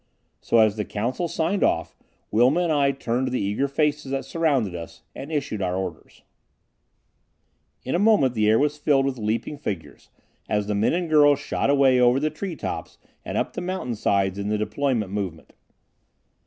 So, as the council signed off, Wilma and I turned to the eager faces that surrounded us, and issued our orders. In a moment the air was filled with leaping figures as the men and girls shot away over the tree tops and up the mountain sides in the deployment movement.